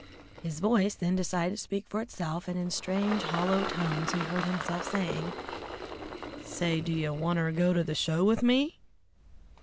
His voice then decided to speak for itself, and in strange, hollow tones he heard himself saying "Say, do you wanter go to the show with me?"